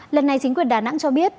lần này chính quyền đà nẵng cho biết